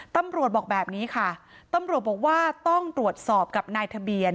ตำรวจบอกแบบนี้ค่ะตำรวจบอกว่าต้องตรวจสอบกับนายทะเบียน